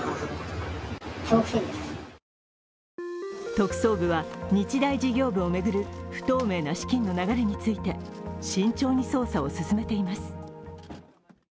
特捜部は日大事業部を巡る不透明な資金の流れについて慎重に捜査を進めています。